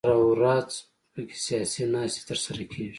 هره ورځ په کې سیاسي ناستې تر سره کېږي.